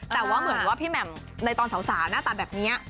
แต่ว่าว่าพี่แม่มในตอนสาวสาวหน้าตาแบบนี้